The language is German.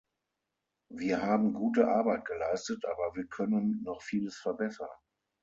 Wir haben gute Arbeit geleistet, aber wir können noch vieles verbessern.